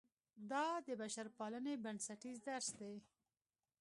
دا د بشرپالنې بنسټیز درس دی.